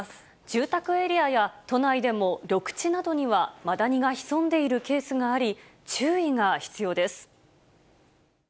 住宅エリアや都内でも緑地などにはマダニが潜んでいるケースがあり、注意が必要です。